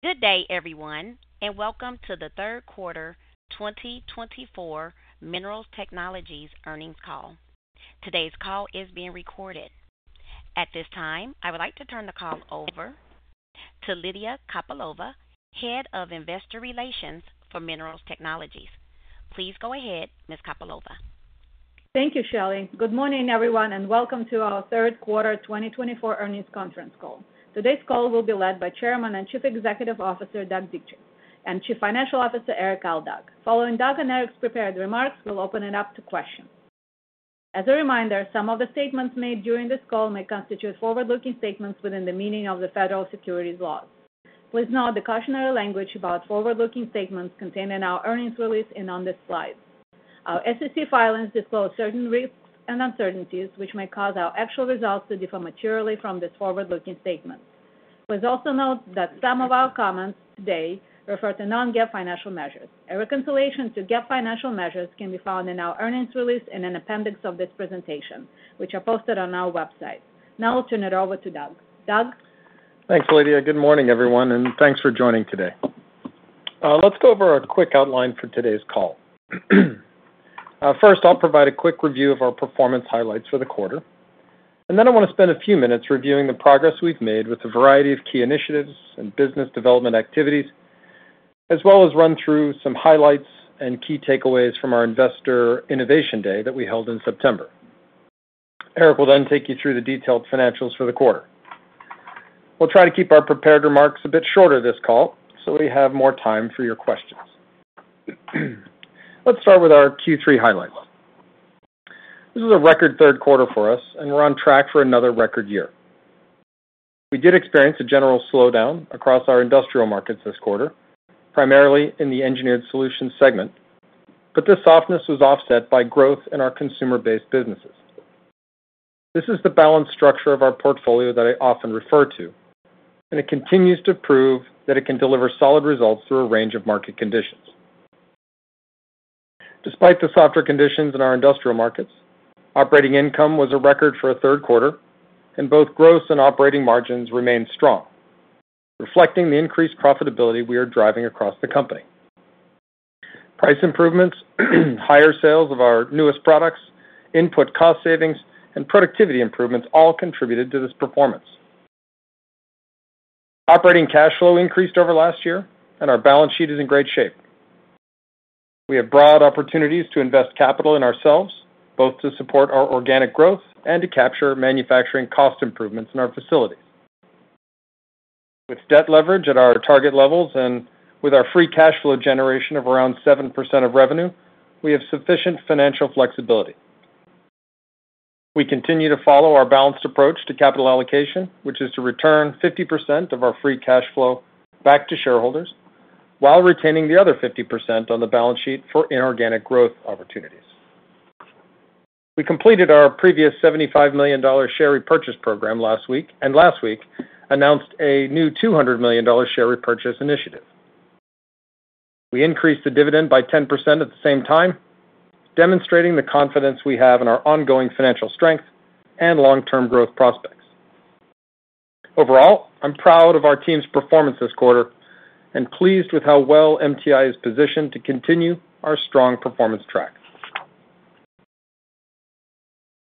Good day, everyone, and welcome to the third quarter 2024 Minerals Technologies earnings call. Today's call is being recorded. At this time, I would like to turn the call over to Lydia Kopylova, Head of Investor Relations for Minerals Technologies. Please go ahead, Ms. Kopylova. Thank you, Shelley. Good morning, everyone, and welcome to our third quarter twenty twenty-four earnings conference call. Today's call will be led by Chairman and Chief Executive Officer, Doug Dietrich, and Chief Financial Officer, Erik Aldag. Following Doug and Erik's prepared remarks, we'll open it up to questions. As a reminder, some of the statements made during this call may constitute forward-looking statements within the meaning of the federal securities laws. Please note the cautionary language about forward-looking statements contained in our earnings release and on this slide. Our SEC filings disclose certain risks and uncertainties, which may cause our actual results to differ materially from this forward-looking statement. Please also note that some of our comments today refer to non-GAAP financial measures. A reconciliation to GAAP financial measures can be found in our earnings release in an appendix of this presentation, which are posted on our website. Now I'll turn it over to Doug. Doug? Thanks, Lydia. Good morning, everyone, and thanks for joining today. Let's go over a quick outline for today's call. First, I'll provide a quick review of our performance highlights for the quarter, and then I wanna spend a few minutes reviewing the progress we've made with a variety of key initiatives and business development activities, as well as run through some highlights and key takeaways from our Investor Innovation Day that we held in September. Erik will then take you through the detailed financials for the quarter. We'll try to keep our prepared remarks a bit shorter this call, so we have more time for your questions. Let's start with our Q3 highlights. This is a record third quarter for us, and we're on track for another record year. We did experience a general slowdown across our industrial markets this quarter, primarily in the engineered solutions segment, but this softness was offset by growth in our consumer-based businesses. This is the balanced structure of our portfolio that I often refer to, and it continues to prove that it can deliver solid results through a range of market conditions. Despite the softer conditions in our industrial markets, operating income was a record for a third quarter, and both gross and operating margins remained strong, reflecting the increased profitability we are driving across the company. Price improvements, higher sales of our newest products, input cost savings, and productivity improvements all contributed to this performance. Operating cash flow increased over last year, and our balance sheet is in great shape. We have broad opportunities to invest capital in ourselves, both to support our organic growth and to capture manufacturing cost improvements in our facilities. With debt leverage at our target levels and with our free cash flow generation of around 7% of revenue, we have sufficient financial flexibility. We continue to follow our balanced approach to capital allocation, which is to return 50% of our free cash flow back to shareholders, while retaining the other 50% on the balance sheet for inorganic growth opportunities. We completed our previous $75 million share repurchase program last week, and last week announced a new $200 million share repurchase initiative. We increased the dividend by 10% at the same time, demonstrating the confidence we have in our ongoing financial strength and long-term growth prospects. Overall, I'm proud of our team's performance this quarter and pleased with how well MTI is positioned to continue our strong performance track.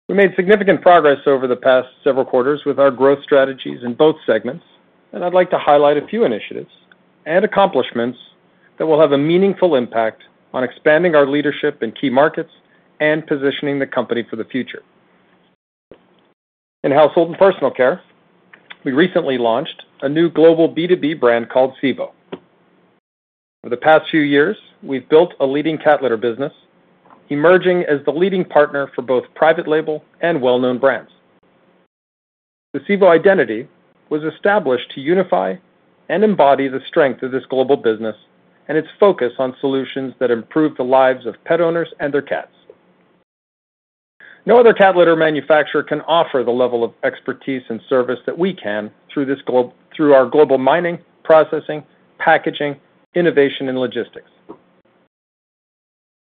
We made significant progress over the past several quarters with our growth strategies in both segments, and I'd like to highlight a few initiatives and accomplishments that will have a meaningful impact on expanding our leadership in key markets and positioning the company for the future. In Household and Personal Care, we recently launched a new global B2B brand called Sivio. For the past few years, we've built a leading cat litter business, emerging as the leading partner for both private label and well-known brands. The Sivio identity was established to unify and embody the strength of this global business and its focus on solutions that improve the lives of pet owners and their cats. No other cat litter manufacturer can offer the level of expertise and service that we can through our global mining, processing, packaging, innovation, and logistics.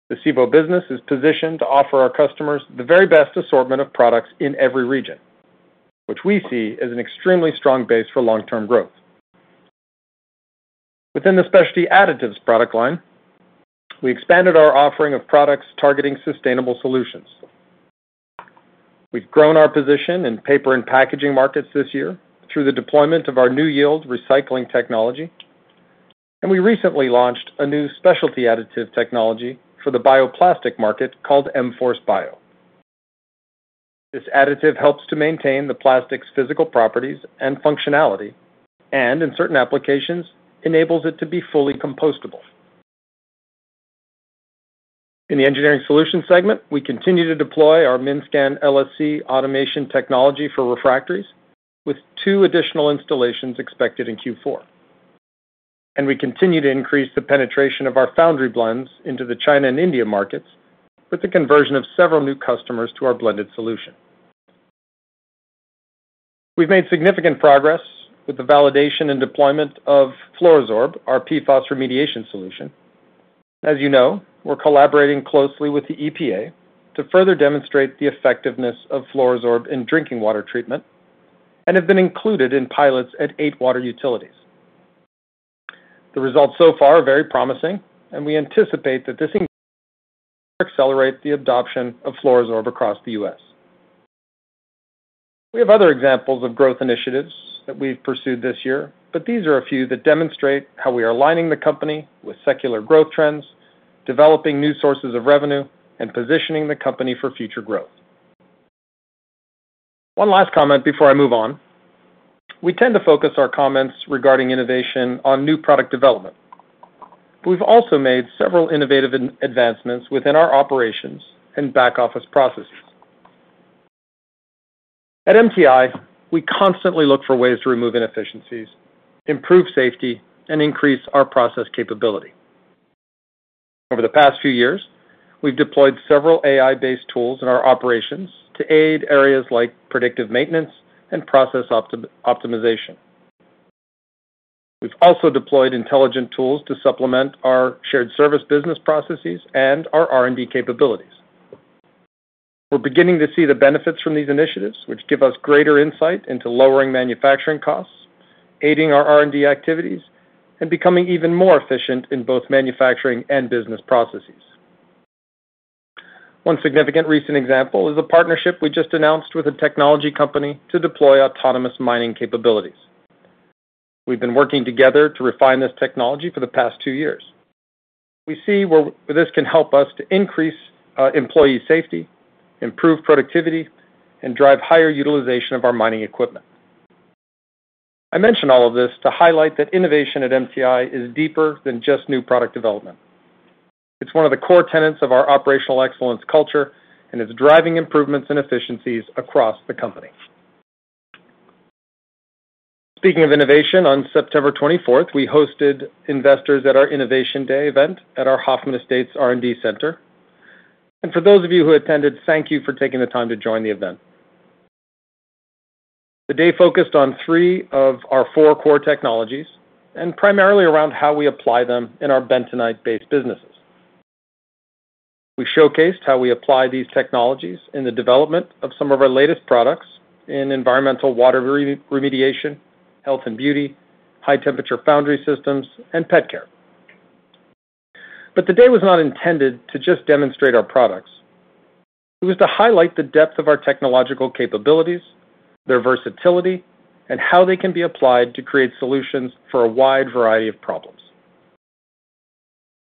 The Sivio business is positioned to offer our customers the very best assortment of products in every region, which we see as an extremely strong base for long-term growth. Within the Specialty Additives product line, we expanded our offering of products targeting sustainable solutions. We've grown our position in Paper and Packaging markets this year through the deployment of our NewYield recycling technology, and we recently launched a new Specialty Additive technology for the bioplastic market called EMforce Bio. This additive helps to maintain the plastic's physical properties and functionality, and in certain applications, enables it to be fully compostable. In the engineering solutions segment, we continue to deploy our MinScan LSC automation technology for refractories, with two additional installations expected in Q4. And we continue to increase the penetration of our foundry blends into the China and India markets with the conversion of several new customers to our blended solution. We've made significant progress with the validation and deployment of Fluoro-Sorb, our PFAS remediation solution. As you know, we're collaborating closely with the EPA to further demonstrate the effectiveness of Fluoro-Sorb in drinking water treatment and have been included in pilots at eight water utilities. The results so far are very promising, and we anticipate that this increase will accelerate the adoption of Fluoro-Sorb across the U.S. We have other examples of growth initiatives that we've pursued this year, but these are a few that demonstrate how we are aligning the company with secular growth trends, developing new sources of revenue, and positioning the company for future growth. One last comment before I move on. We tend to focus our comments regarding innovation on new product development. We've also made several innovative advancements within our operations and back-office processes. At MTI, we constantly look for ways to remove inefficiencies, improve safety, and increase our process capability. Over the past few years, we've deployed several AI-based tools in our operations to aid areas like predictive maintenance and process optimization. We've also deployed intelligent tools to supplement our shared service business processes and our R&D capabilities. We're beginning to see the benefits from these initiatives, which give us greater insight into lowering manufacturing costs, aiding our R&D activities, and becoming even more efficient in both manufacturing and business processes. One significant recent example is a partnership we just announced with a technology company to deploy autonomous mining capabilities. We've been working together to refine this technology for the past two years. We see where this can help us to increase employee safety, improve productivity, and drive higher utilization of our mining equipment. I mention all of this to highlight that innovation at MTI is deeper than just new product development. It's one of the core tenets of our operational excellence culture and is driving improvements and efficiencies across the company. Speaking of innovation, on September twenty-fourth, we hosted investors at our Innovation Day event at our Hoffman Estates R&D Center. For those of you who attended, thank you for taking the time to join the event. The day focused on three of our four core technologies and primarily around how we apply them in our bentonite-based businesses. We showcased how we apply these technologies in the development of some of our latest products in environmental water remediation, health and beauty, high-temperature foundry systems, and pet care. The day was not intended to just demonstrate our products. It was to highlight the depth of our technological capabilities, their versatility, and how they can be applied to create solutions for a wide variety of problems.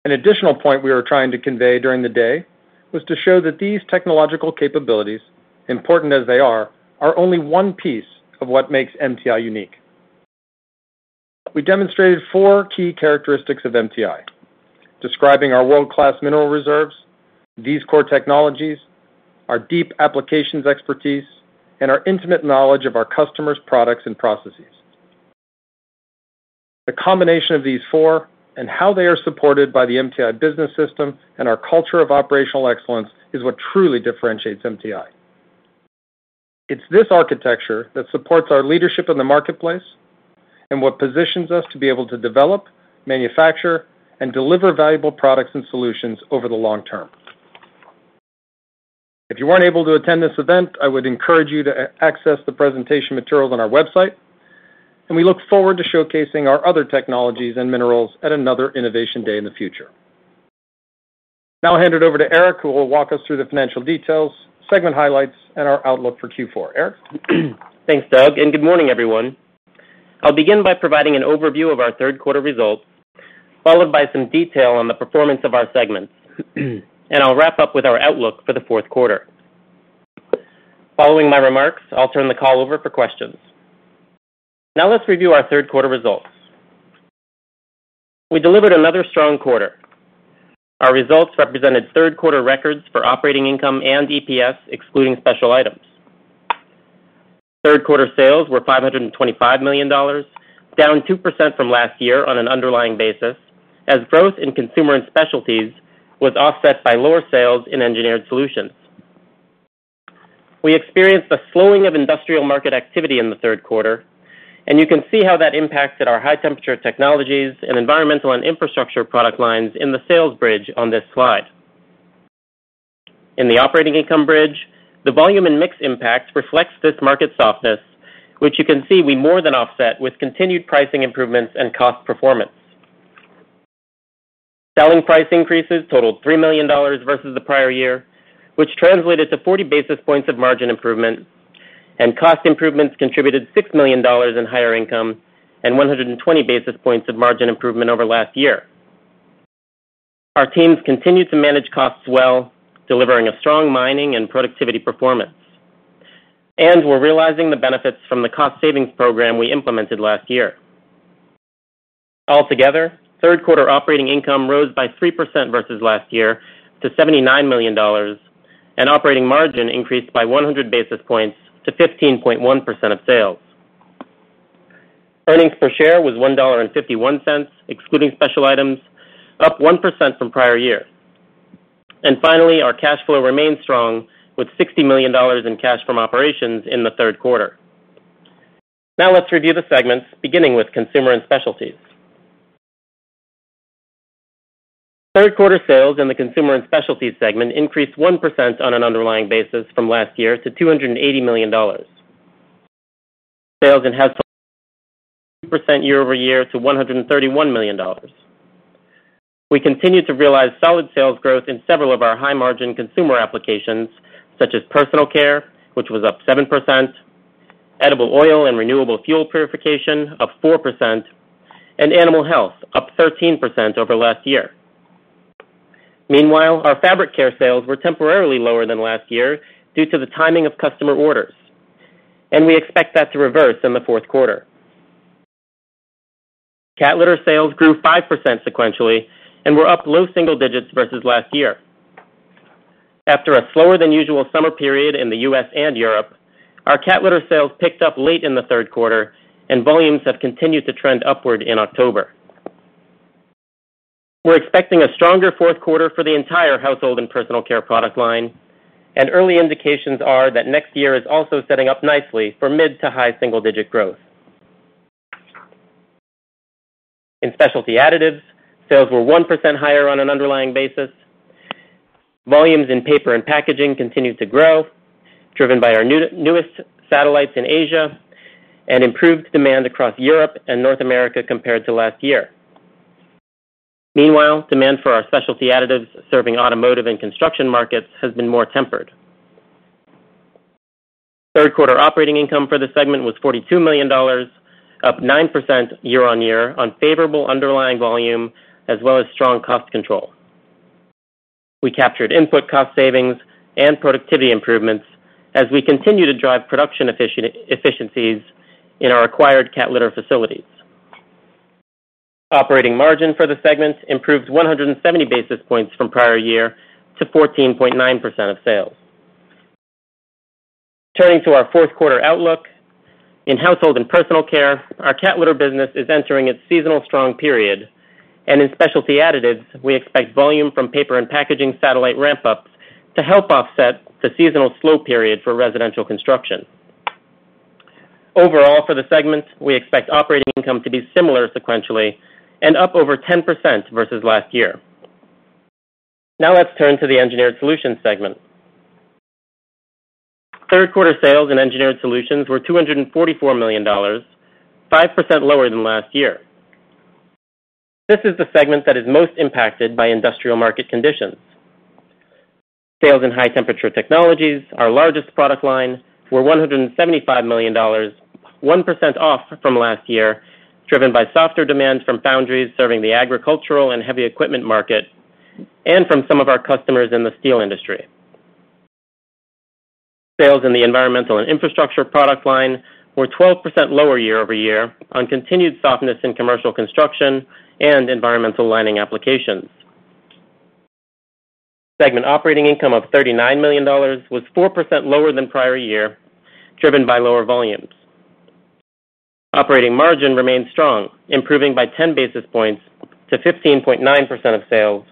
An additional point we were trying to convey during the day was to show that these technological capabilities, important as they are, are only one piece of what makes MTI unique. We demonstrated four key characteristics of MTI, describing our world-class mineral reserves, these core technologies, our deep applications expertise, and our intimate knowledge of our customers' products and processes. The combination of these four and how they are supported by the MTI business system and our culture of operational excellence is what truly differentiates MTI. It's this architecture that supports our leadership in the marketplace and what positions us to be able to develop, manufacture, and deliver valuable products and solutions over the long term. If you weren't able to attend this event, I would encourage you to access the presentation materials on our website, and we look forward to showcasing our other technologies and minerals at another Innovation Day in the future. Now I'll hand it over to Erik, who will walk us through the financial details, segment highlights, and our outlook for Q4. Erik? Thanks, Doug, and good morning, everyone. I'll begin by providing an overview of our third quarter results, followed by some detail on the performance of our segments, and I'll wrap up with our outlook for the fourth quarter. Following my remarks, I'll turn the call over for questions. Now let's review our third quarter results. We delivered another strong quarter. Our results represented third-quarter records for operating income and EPS, excluding special items. Third-quarter sales were $525 million, down 2% from last year on an underlying basis, as growth in Consumer and Specialties was offset by lower sales in Engineered Solutions. We experienced a slowing of industrial market activity in the third quarter, and you can see how that impacted our High Temperature Technologies and Environmental and Infrastructure product lines in the sales bridge on this slide. In the operating income bridge, the volume and mix impact reflects this market softness, which you can see we more than offset with continued pricing improvements and cost performance. Selling price increases totaled $3 million versus the prior year, which translated to 40 basis points of margin improvement, and cost improvements contributed $6 million in higher income and 120 basis points of margin improvement over last year. Our teams continued to manage costs well, delivering a strong mining and productivity performance, and we're realizing the benefits from the cost savings program we implemented last year. Altogether, third quarter operating income rose by 3% versus last year to $79 million, and operating margin increased by 100 basis points to 15.1% of sales. Earnings per share was $1.51, excluding special items, up 1% from prior year. Finally, our cash flow remains strong, with $60 million in cash from operations in the third quarter. Now let's review the segments, beginning with Consumer and Specialties. Third quarter sales in the Consumer and Specialties segment increased 1% on an underlying basis from last year to $280 million. Sales in Household 2% year over year to $131 million. We continued to realize solid sales growth in several of our high-margin consumer applications, such as personal care, which was up 7%, edible oil and renewable fuel purification, up 4%, and animal health, up 13% over last year. Meanwhile, our fabric care sales were temporarily lower than last year due to the timing of customer orders, and we expect that to reverse in the fourth quarter. Cat litter sales grew 5% sequentially and were up low single digits versus last year. After a slower than usual summer period in the U.S. and Europe, our cat litter sales picked up late in the third quarter, and volumes have continued to trend upward in October. We're expecting a stronger fourth quarter for the entire Household and Personal Care product line, and early indications are that next year is also setting up nicely for mid to high single-digit growth. In Specialty Additives, sales were 1% higher on an underlying basis. Volumes in Paper and Packaging continued to grow, driven by our newest satellites in Asia and improved demand across Europe and North America compared to last year. Meanwhile, demand for our Specialty Additives serving automotive and construction markets has been more tempered. Third quarter operating income for the segment was $42 million, up 9% year on year on favorable underlying volume as well as strong cost control. We captured input cost savings and productivity improvements as we continue to drive production efficiencies in our acquired cat litter facilities. Operating margin for the segment improved 170 basis points from prior year to 14.9% of sales. Turning to our fourth quarter outlook. In Household and Personal Care, our cat litter business is entering its seasonal strong period, and in Specialty Additives, we expect volume from paper and packaging satellite ramp-ups to help offset the seasonal slow period for residential construction. Overall, for the segment, we expect operating income to be similar sequentially and up over 10% versus last year. Now let's turn to the Engineered Solutions segment. Third quarter sales in Engineered Solutions were $244 million, 5% lower than last year. This is the segment that is most impacted by industrial market conditions. Sales in High Temperature Technologies, our largest product line, were $175 million, 1% off from last year, driven by softer demand from foundries serving the agricultural and heavy equipment market and from some of our customers in the steel industry. Sales in the Environmental and Infrastructure product line were 12% lower year over year on continued softness in commercial construction and environmental lining applications. Segment operating income of $39 million was 4% lower than prior year, driven by lower volumes. Operating margin remained strong, improving by 10 basis points to 15.9% of sales,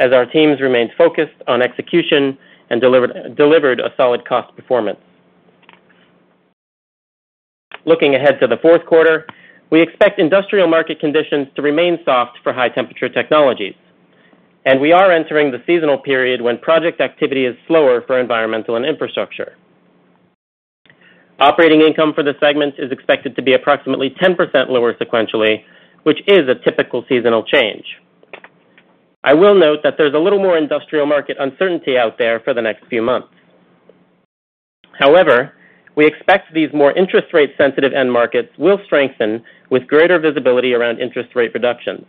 as our teams remained focused on execution and delivered a solid cost performance. Looking ahead to the fourth quarter, we expect industrial market conditions to remain soft for High Temperature Technologies, and we are entering the seasonal period when project activity is slower for Environmental and Infrastructure. Operating income for the segment is expected to be approximately 10% lower sequentially, which is a typical seasonal change. I will note that there's a little more industrial market uncertainty out there for the next few months. However, we expect these more interest rate sensitive end markets will strengthen with greater visibility around interest rate reductions.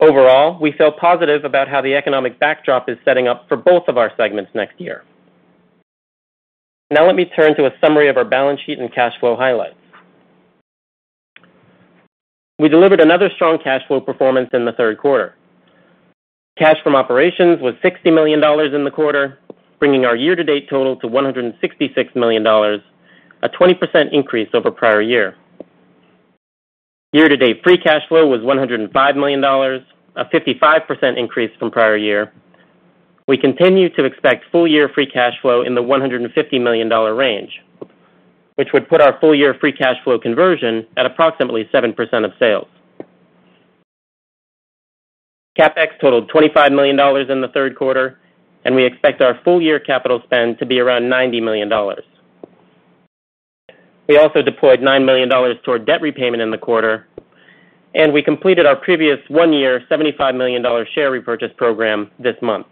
Overall, we feel positive about how the economic backdrop is setting up for both of our segments next year. Now let me turn to a summary of our balance sheet and cash flow highlights. We delivered another strong cash flow performance in the third quarter. Cash from operations was $60 million in the quarter, bringing our year-to-date total to $166 million, a 20% increase over prior year. Year-to-date free cash flow was $105 million, a 55% increase from prior year. We continue to expect full year free cash flow in the $150 million range, which would put our full year free cash flow conversion at approximately 7% of sales. CapEx totaled $25 million in the third quarter, and we expect our full year capital spend to be around $90 million. We also deployed $9 million toward debt repayment in the quarter, and we completed our previous one-year, $75 million share repurchase program this month.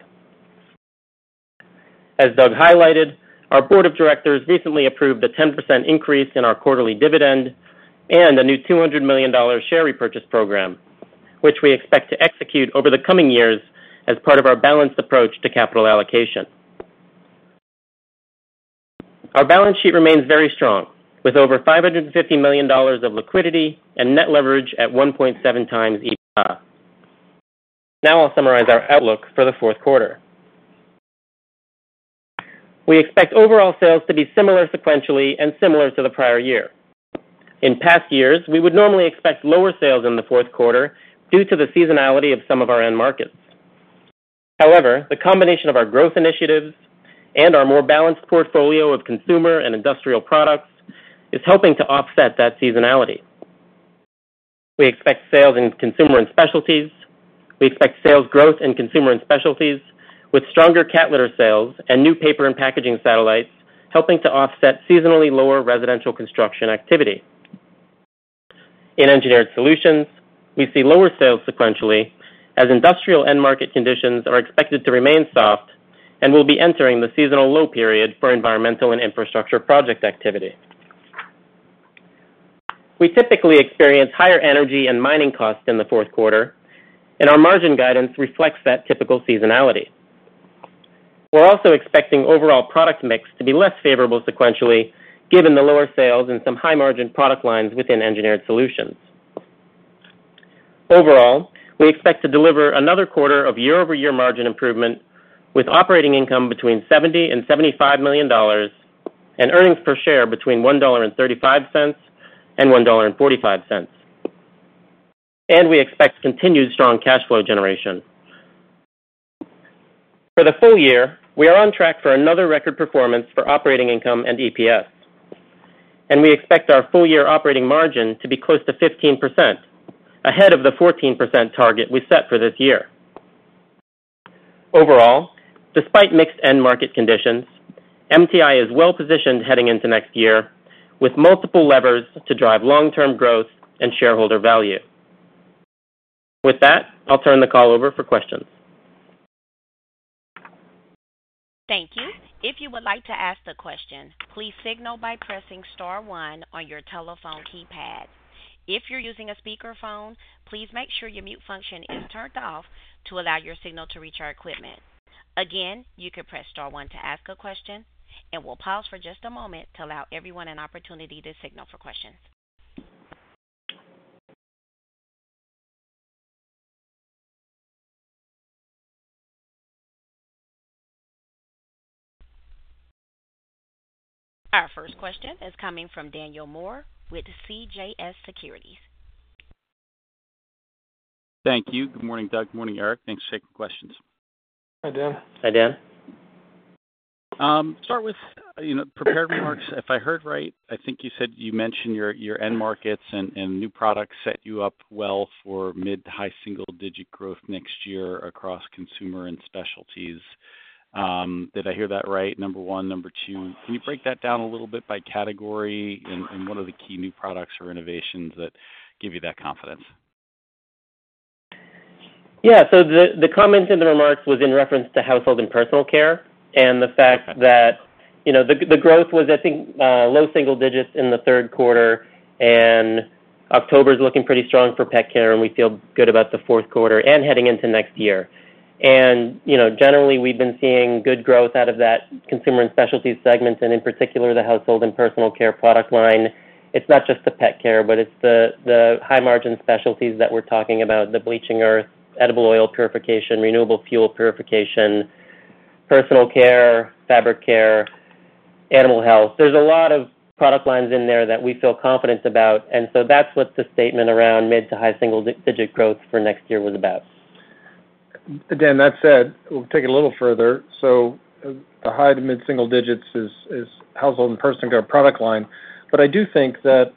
As Doug highlighted, our board of directors recently approved a 10% increase in our quarterly dividend and a new $200 million share repurchase program, which we expect to execute over the coming years as part of our balanced approach to capital allocation. Our balance sheet remains very strong, with over $550 million of liquidity and net leverage at 1.7 times EBITDA. Now I'll summarize our outlook for the fourth quarter. We expect overall sales to be similar sequentially and similar to the prior year. In past years, we would normally expect lower sales in the fourth quarter due to the seasonality of some of our end markets. However, the combination of our growth initiatives and our more balanced portfolio of consumer and industrial products is helping to offset that seasonality. We expect sales in Consumer and Specialties. We expect sales growth in Consumer and Specialties, with stronger cat litter sales and new Paper and Packaging satellites, helping to offset seasonally lower residential construction activity. In Engineered Solutions, we see lower sales sequentially, as industrial end market conditions are expected to remain soft and will be entering the seasonal low period for Environmental and Infrastructure project activity. We typically experience higher energy and mining costs in the fourth quarter, and our margin guidance reflects that typical seasonality. We're also expecting overall product mix to be less favorable sequentially, given the lower sales and some high-margin product lines within Engineered Solutions. Overall, we expect to deliver another quarter of year-over-year margin improvement, with operating income between $70 and $75 million, and earnings per share between $1.35 and $1.45, and we expect continued strong cash flow generation. For the full year, we are on track for another record performance for operating income and EPS, and we expect our full year operating margin to be close to 15%, ahead of the 14% target we set for this year. Overall, despite mixed end market conditions, MTI is well positioned heading into next year, with multiple levers to drive long-term growth and shareholder value. With that, I'll turn the call over for questions. Thank you. If you would like to ask a question, please signal by pressing star one on your telephone keypad. If you're using a speakerphone, please make sure your mute function is turned off to allow your signal to reach our equipment. Again, you can press star one to ask a question, and we'll pause for just a moment to allow everyone an opportunity to signal for questions. Our first question is coming from Daniel Moore with CJS Securities. Thank you. Good morning, Doug. Good morning, Erik. Thanks. Taking questions. Hi, Dan. Hi, Dan. Start with, you know, prepared remarks. If I heard right, I think you said you mentioned your end markets and new products set you up well for mid- to high-single-digit growth next year across Consumer and Specialties. Did I hear that right, number one? Number two, can you break that down a little bit by category and what are the key new products or innovations that give you that confidence? Yeah, so the comment in the remarks was in reference to Household and Personal Care, and the fact that, you know, the growth was, I think, low single digits in the third quarter, and October is looking pretty strong for pet care, and we feel good about the fourth quarter and heading into next year. You know, generally, we've been seeing good growth out of that Consumer and Specialties segment, and in particular, the Household and Personal Care product line. It's not just the pet care, but it's the high-margin specialties that we're talking about, the bleaching earth, edible oil purification, renewable fuel purification, personal care, fabric care, animal health. There's a lot of product lines in there that we feel confident about, and so that's what the statement around mid- to high-single-digit growth for next year was about. Again, that said, we'll take it a little further, so the high to mid single digits is Household and Personal Care product line. But I do think that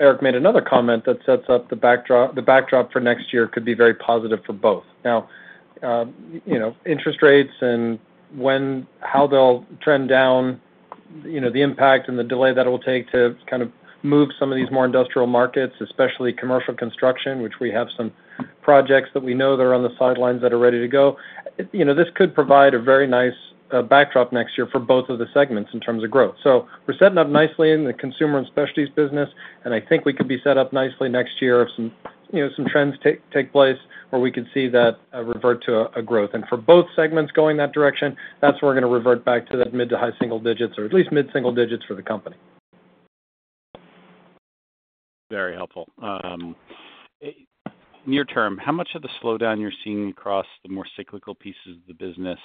Erik made another comment that sets up the backdrop for next year could be very positive for both. Now, you know, interest rates and when, how they'll trend down, you know, the impact and the delay that it will take to kind of move some of these more industrial markets, especially commercial construction, which we have some projects that we know that are on the sidelines that are ready to go. You know, this could provide a very nice backdrop next year for both of the segments in terms of growth. We're setting up nicely in the Consumer and Specialties business, and I think we could be set up nicely next year if some, you know, some trends take place, where we could see that revert to a growth. For both segments going that direction, that's where we're gonna revert back to the mid to high single digits, or at least mid-single digits for the company. Very helpful. Near term, how much of the slowdown you're seeing across the more cyclical pieces of the business,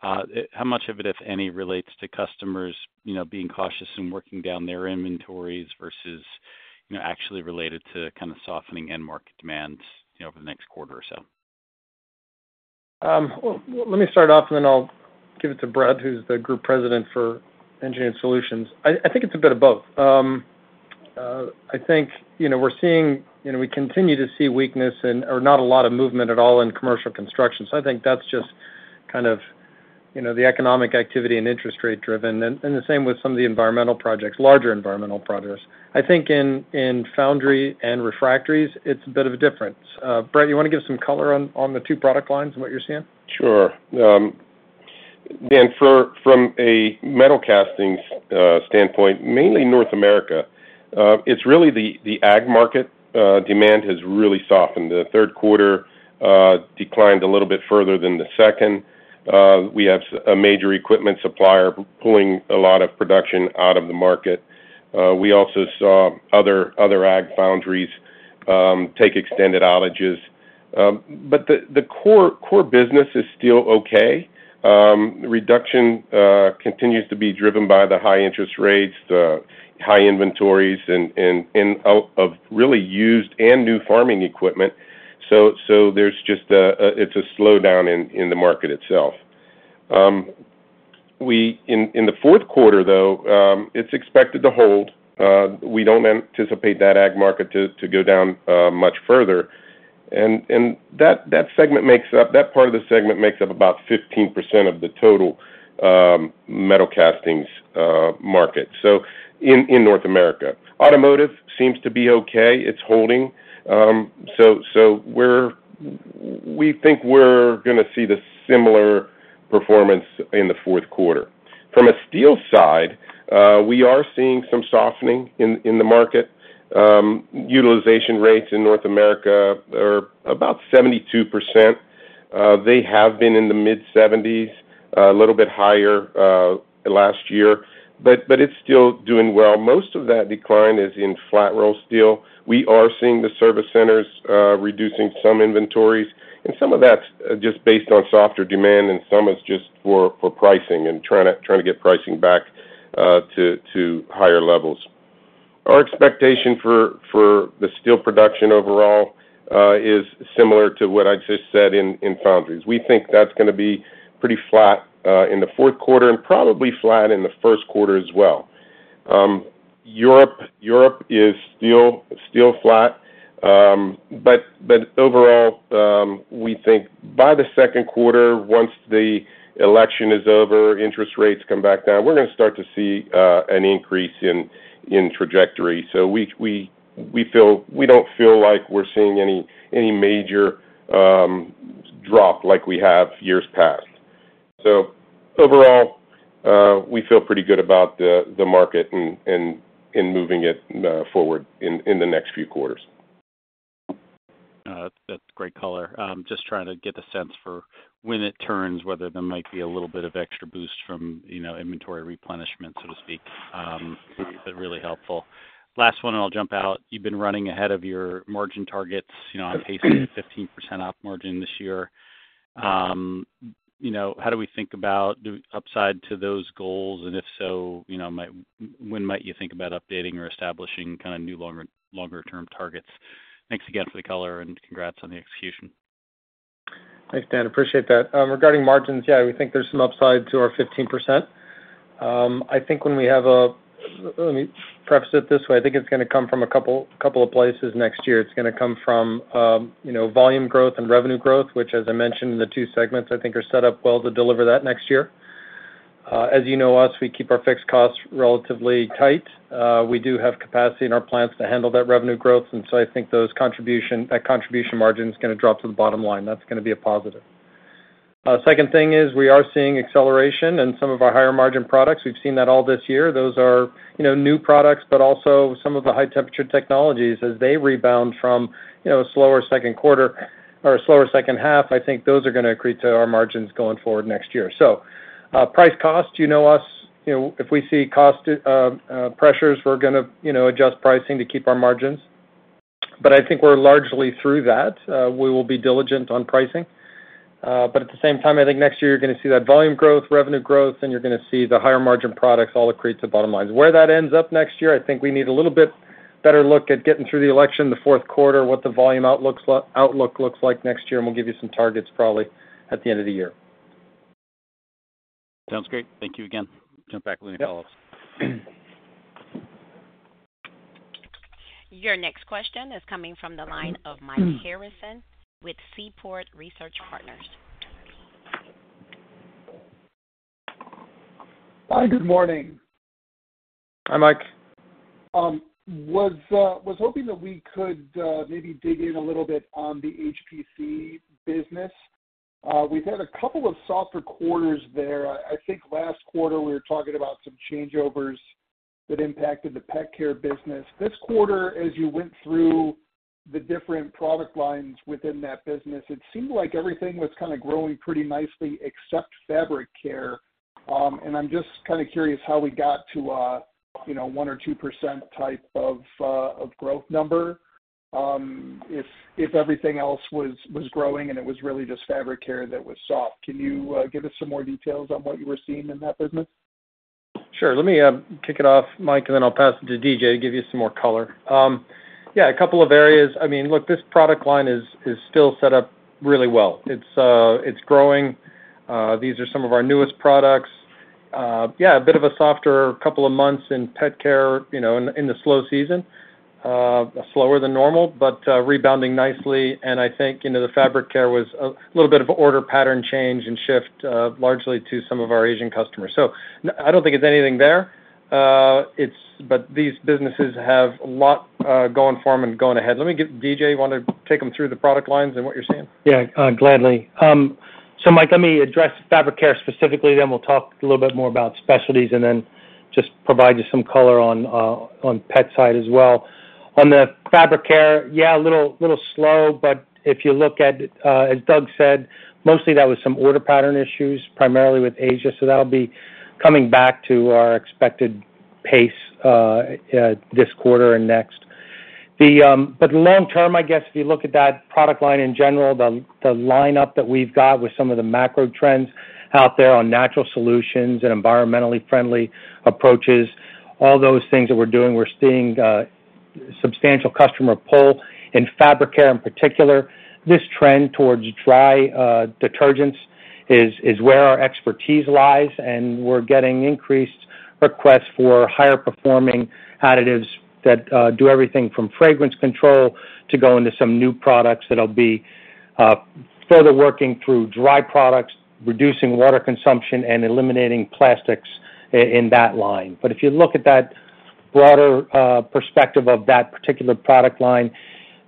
how much of it, if any, relates to customers, you know, being cautious and working down their inventories versus, you know, actually related to kind of softening end market demands, you know, over the next quarter or so? Let me start off, and then I'll give it to Brett, who's the group president for Engineered Solutions. I think it's a bit of both. I think, you know, we're seeing. You know, we continue to see weakness and, or not a lot of movement at all in commercial construction. So I think that's just kind of, you know, the economic activity and interest rate driven, and the same with some of the environmental projects, larger environmental projects. I think in foundry and refractories, it's a bit of a difference. Brett, you want to give some color on the two product lines and what you're seeing? Sure. Then from a metal castings standpoint, mainly North America, it's really the ag market demand has really softened. The third quarter declined a little bit further than the second. We have a major equipment supplier pulling a lot of production out of the market. We also saw other ag foundries take extended outages. But the core business is still okay. Reduction continues to be driven by the high interest rates, the-... high inventories and of really used and new farming equipment. So there's just a slowdown in the market itself. We in the fourth quarter, though, it's expected to hold. We don't anticipate that ag market to go down much further. And that part of the segment makes up about 15% of the total metal castings market, so in North America. Automotive seems to be okay, it's holding. So we think we're gonna see the similar performance in the fourth quarter. From a steel side, we are seeing some softening in the market. Utilization rates in North America are about 72%. They have been in the mid-seventies, a little bit higher last year, but it's still doing well. Most of that decline is in flat roll steel. We are seeing the service centers reducing some inventories, and some of that's just based on softer demand, and some is just for pricing and trying to get pricing back to higher levels. Our expectation for the steel production overall is similar to what I just said in foundries. We think that's gonna be pretty flat in the fourth quarter and probably flat in the first quarter as well. Europe is still flat. But overall, we think by the second quarter, once the election is over, interest rates come back down, we're gonna start to see an increase in trajectory. We don't feel like we're seeing any major drop like we have years past. Overall, we feel pretty good about the market and moving it forward in the next few quarters. That's great color. Just trying to get a sense for when it turns, whether there might be a little bit of extra boost from, you know, inventory replenishment, so to speak. But really helpful. Last one, and I'll jump out. You've been running ahead of your margin targets, you know, on pace to 15% op margin this year. You know, how do we think about the upside to those goals? And if so, you know, when might you think about updating or establishing kind of new, longer-term targets? Thanks again for the color, and congrats on the execution. Thanks, Dan. Appreciate that. Regarding margins, yeah, we think there's some upside to our 15%. Let me preface it this way: I think it's gonna come from a couple of places next year. It's gonna come from, you know, volume growth and revenue growth, which, as I mentioned, the two segments I think are set up well to deliver that next year. As you know us, we keep our fixed costs relatively tight. We do have capacity in our plants to handle that revenue growth, and so I think that contribution margin is gonna drop to the bottom line. That's gonna be a positive. Second thing is we are seeing acceleration in some of our higher-margin products. We've seen that all this year. Those are, you know, new products, but also some of the High Temperature Technologies as they rebound from, you know, a slower second quarter or a slower second half. I think those are gonna accrete to our margins going forward next year. So, price costs, you know us, you know, if we see cost pressures, we're gonna, you know, adjust pricing to keep our margins. But I think we're largely through that. We will be diligent on pricing. But at the same time, I think next year, you're gonna see that volume growth, revenue growth, and you're gonna see the higher-margin products all accrete to bottom line. Where that ends up next year, I think we need a little bit better look at getting through the election, the fourth quarter, what the volume outlook looks like next year, and we'll give you some targets probably at the end of the year. Sounds great. Thank you again. jump back in the queue. Yep. Your next question is coming from the line of Mike Harrison with Seaport Research Partners. Hi, good morning. Hi, Mike. Was hoping that we could maybe dig in a little bit on the HPC business. We've had a couple of softer quarters there. I think last quarter we were talking about some changeovers that impacted the pet care business. This quarter, as you went through the different product lines within that business, it seemed like everything was kind of growing pretty nicely except fabric care, and I'm just kind of curious how we got to a, you know, 1%-2% type of growth number, if everything else was growing and it was really just fabric care that was soft. Can you give us some more details on what you were seeing in that business? Sure. Let me kick it off, Mike, and then I'll pass it to DJ to give you some more color. Yeah, a couple of areas. I mean, look, this product line is still set up really well. It's growing. These are some of our newest products. Yeah, a bit of a softer couple of months in pet care, you know, in the slow season. Slower than normal, but rebounding nicely. I think, you know, the fabric care was a little bit of an order pattern change and shift, largely to some of our Asian customers. So I don't think it's anything there. It's but these businesses have a lot going for them and going ahead. Let me get DJ. Want to take them through the product lines and what you're seeing? Yeah, gladly. So Mike, let me address fabric care specifically, then we'll talk a little bit more about specialties and then just provide you some color on the pet side as well. On the fabric care, yeah, a little slow, but if you look at, as Doug said, mostly that was some order pattern issues, primarily with Asia. So that'll be coming back to our expected pace, this quarter and next.... The, but long term, I guess, if you look at that product line in general, the lineup that we've got with some of the macro trends out there on natural solutions and environmentally friendly approaches, all those things that we're doing, we're seeing substantial customer pull. In fabric care, in particular, this trend towards dry detergents is where our expertise lies, and we're getting increased requests for higher performing additives that do everything from fragrance control to go into some new products that'll be further working through dry products, reducing water consumption, and eliminating plastics in that line. But if you look at that broader perspective of that particular product line,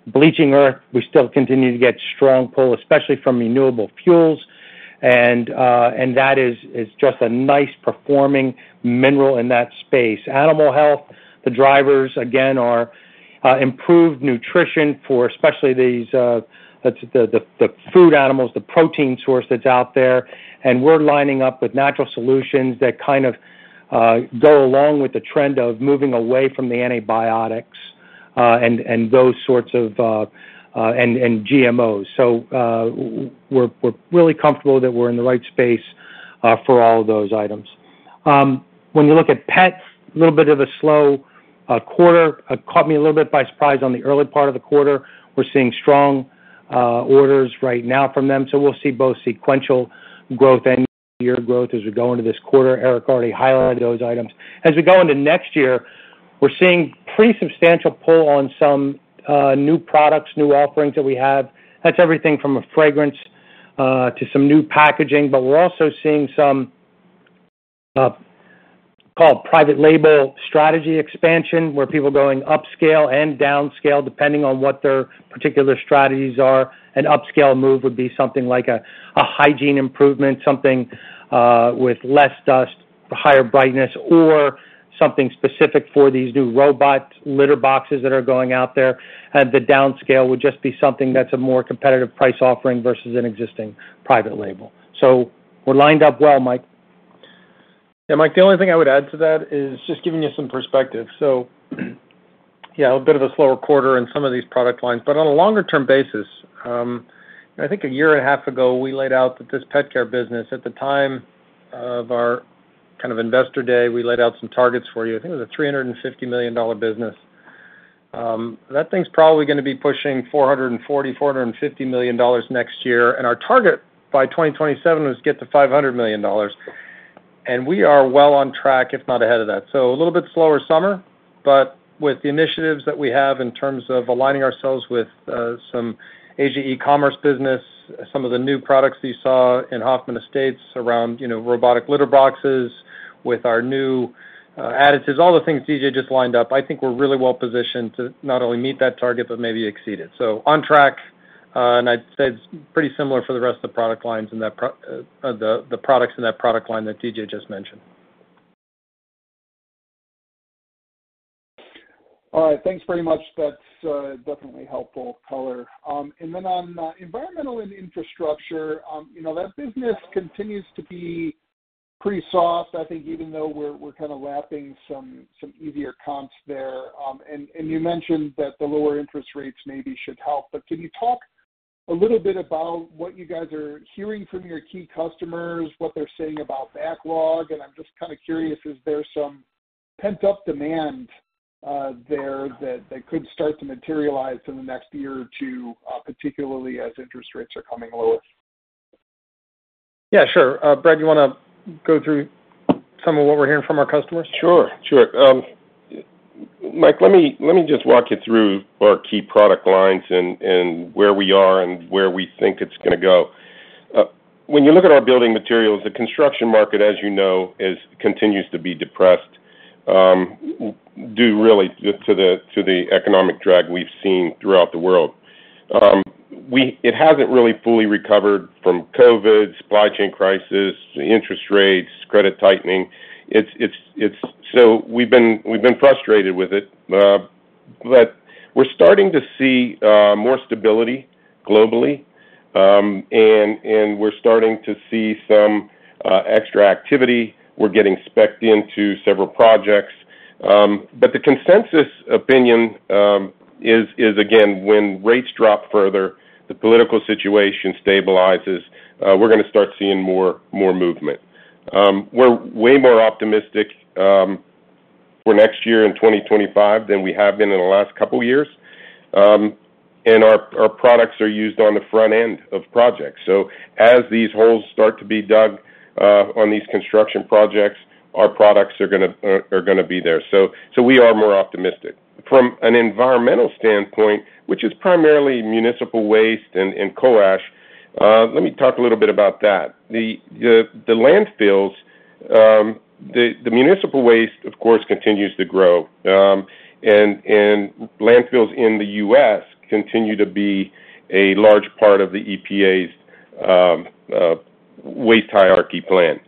bleaching earth, we still continue to get strong pull, especially from renewable fuels, and that is just a nice performing mineral in that space. Animal health, the drivers again are improved nutrition for especially these, the food animals, the protein source that's out there, and we're lining up with natural solutions that kind of go along with the trend of moving away from the antibiotics and those sorts of and GMOs. So, we're really comfortable that we're in the right space for all of those items. When you look at pets, a little bit of a slow quarter. Caught me a little bit by surprise on the early part of the quarter. We're seeing strong orders right now from them, so we'll see both sequential growth and year growth as we go into this quarter. Erik already highlighted those items. As we go into next year, we're seeing pretty substantial pull on some new products, new offerings that we have. That's everything from a fragrance to some new packaging, but we're also seeing some call it private label strategy expansion, where people are going upscale and downscale, depending on what their particular strategies are. An upscale move would be something like a hygiene improvement, something with less dust, higher brightness, or something specific for these new robot litter boxes that are going out there, and the downscale would just be something that's a more competitive price offering versus an existing private label. So we're lined up well, Mike. Yeah, Mike, the only thing I would add to that is just giving you some perspective. So, yeah, a bit of a slower quarter in some of these product lines. But on a longer term basis, I think a year and a half ago, we laid out that this pet care business, at the time of our kind of investor day, we laid out some targets for you. I think it was a $350 million business. That thing's probably gonna be pushing $440-$450 million next year, and our target by 2027 was get to $500 million, and we are well on track, if not ahead of that. So a little bit slower summer, but with the initiatives that we have in terms of aligning ourselves with some Asia e-commerce business, some of the new products you saw in Hoffman Estates around, you know, robotic litter boxes with our new additives, all the things DJ just lined up, I think we're really well positioned to not only meet that target, but maybe exceed it. So on track, and I'd say it's pretty similar for the rest of the product lines in that the products in that product line that DJ just mentioned. All right, thanks very much. That's definitely helpful color. And then on Environmental and Infrastructure, you know, that business continues to be pretty soft, I think, even though we're kind of lapping some easier comps there. And you mentioned that the lower interest rates maybe should help, but can you talk a little bit about what you guys are hearing from your key customers, what they're saying about backlog? And I'm just kind of curious, is there some pent-up demand there that could start to materialize in the next year or two, particularly as interest rates are coming lower? Yeah, sure. Brett, you wanna go through some of what we're hearing from our customers? Sure, sure. Mike, let me just walk you through our key product lines and where we are and where we think it's gonna go. When you look at our building materials, the construction market, as you know, is continues to be depressed, due really to the economic drag we've seen throughout the world. We it hasn't really fully recovered from COVID, supply chain crisis, interest rates, credit tightening. It's. So we've been frustrated with it, but we're starting to see more stability globally, and we're starting to see some extra activity. We're getting specced into several projects. But the consensus opinion is again, when rates drop further, the political situation stabilizes, we're gonna start seeing more movement. We're way more optimistic for next year in twenty twenty-five than we have been in the last couple of years. And our products are used on the front end of projects. So as these holes start to be dug on these construction projects, our products are gonna be there. So we are more optimistic. From an environmental standpoint, which is primarily municipal waste and coal ash, let me talk a little bit about that. The landfills, the municipal waste, of course, continues to grow, and landfills in the U.S. continue to be a large part of the EPA's waste hierarchy plan.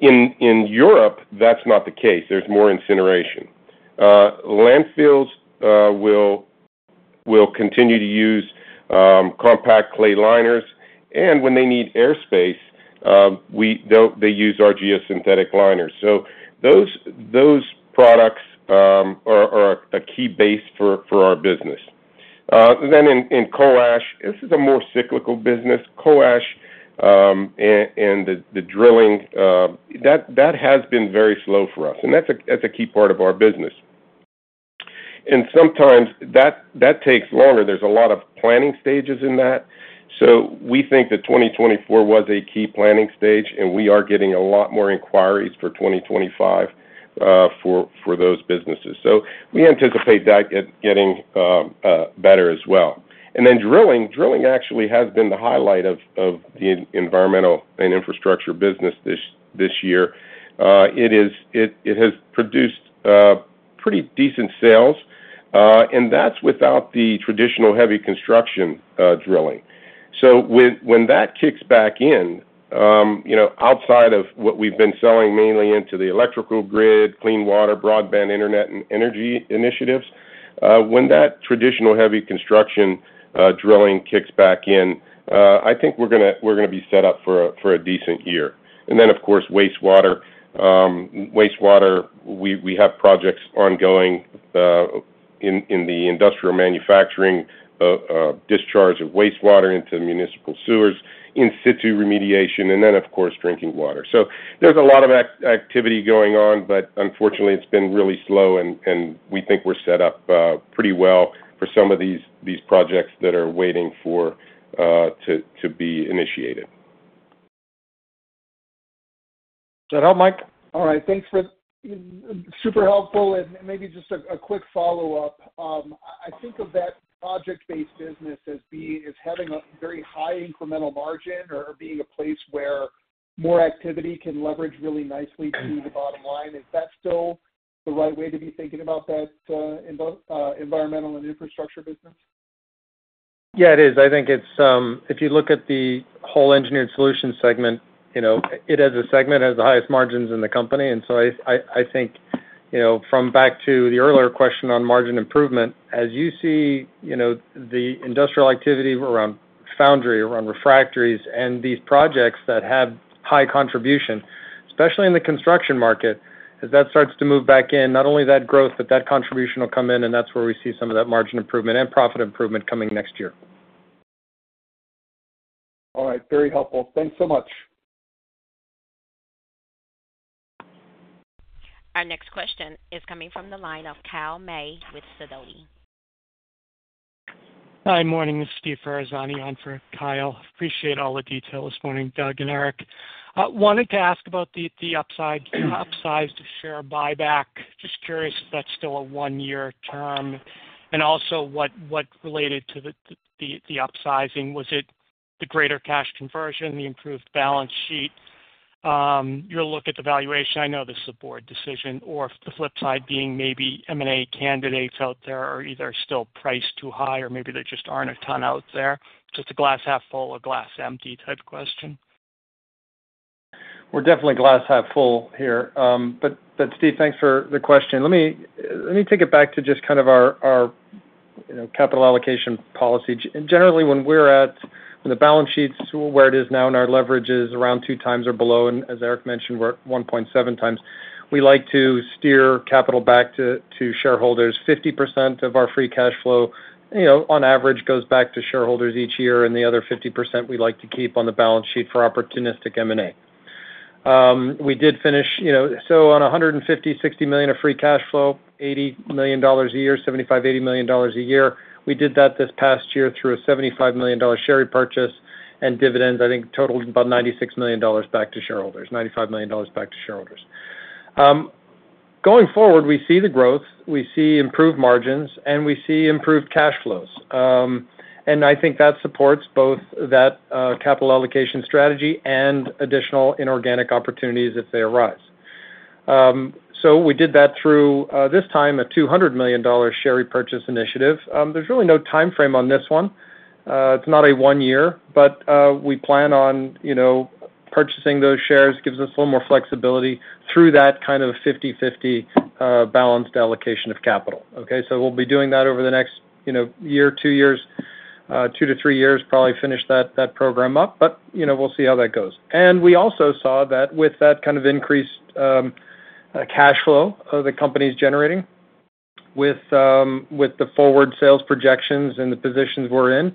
In Europe, that's not the case. There's more incineration. Landfills will continue to use compact clay liners, and when they need airspace, they use our geosynthetic liners. So those products are a key base for our business. Then in coal ash, this is a more cyclical business. Coal ash and the drilling that has been very slow for us, and that's a key part of our business, and sometimes that takes longer. There's a lot of planning stages in that. So we think that 2024 was a key planning stage, and we are getting a lot more inquiries for 2025 for those businesses. So we anticipate that getting better as well. Drilling actually has been the highlight of the Environmental and Infrastructure business this year. It has produced pretty decent sales, and that's without the traditional heavy construction drilling. So when that kicks back in, you know, outside of what we've been selling mainly into the electrical grid, clean water, broadband, internet, and energy initiatives, when that traditional heavy construction drilling kicks back in, I think we're gonna be set up for a decent year. And then, of course, wastewater. Wastewater, we have projects ongoing in the industrial manufacturing discharge of wastewater into municipal sewers, in situ remediation, and then, of course, drinking water. So there's a lot of activity going on, but unfortunately, it's been really slow, and we think we're set up pretty well for some of these projects that are waiting to be initiated. Is that all, Mike? All right. Thanks for... Super helpful, and maybe just a quick follow-up. I think of that project-based business as being, as having a very high incremental margin or being a place where more activity can leverage really nicely to the bottom line. Is that still the right way to be thinking about that, Environmental and Infrastructure business? Yeah, it is. I think it's if you look at the whole Engineered Solutions segment, you know, it as a segment, has the highest margins in the company. And so I think, you know, from back to the earlier question on margin improvement, as you see, you know, the industrial activity around foundry, around refractories and these projects that have high contribution, especially in the construction market, as that starts to move back in, not only that growth, but that contribution will come in, and that's where we see some of that margin improvement and profit improvement coming next year. All right. Very helpful. Thanks so much. Our next question is coming from the line of Kyle May with Sidoti. Hi, morning. This is Stephen Ferazani on for Kyle. Appreciate all the detail this morning, Doug and Erik. Wanted to ask about the upsized share buyback. Just curious if that's still a one-year term? And also, what related to the upsizing? Was it the greater cash conversion, the improved balance sheet? Your look at the valuation, I know this is a board decision, or the flip side being maybe M&A candidates out there are either still priced too high or maybe there just aren't a ton out there. Just a glass half full or glass empty type question. We're definitely glass half full here. But Steve, thanks for the question. Let me take it back to just kind of our, you know, capital allocation policy. Generally, when the balance sheet's where it is now and our leverage is around two times or below, and as Erik mentioned, we're at one point seven times, we like to steer capital back to shareholders. 50% of our free cash flow, you know, on average, goes back to shareholders each year, and the other 50% we like to keep on the balance sheet for opportunistic M&A. We did finish, you know, so on $150-$160 million of free cash flow, $80 million a year, $75-$80 million a year. We did that this past year through a $75 million share repurchase and dividends, I think, totaled about $96 million back to shareholders, $95 million back to shareholders. Going forward, we see the growth, we see improved margins, and we see improved cash flows. And I think that supports both that capital allocation strategy and additional inorganic opportunities if they arise. So we did that through this time a $200 million share repurchase initiative. There's really no timeframe on this one. It's not a one year, but we plan on, you know, purchasing those shares, gives us a little more flexibility through that kind of fifty-fifty balanced allocation of capital, okay? So we'll be doing that over the next, you know, year, two years, two to three years, probably finish that program up, but, you know, we'll see how that goes. And we also saw that with that kind of increased cash flow of the company's generating with the forward sales projections and the positions we're in,